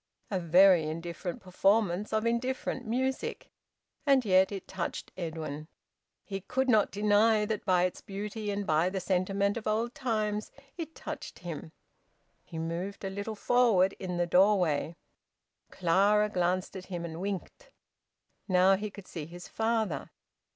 A very indifferent performance of indifferent music! And yet it touched Edwin. He could not deny that by its beauty and by the sentiment of old times it touched him. He moved a little forward in the doorway. Clara glanced at him, and winked. Now he could see his father.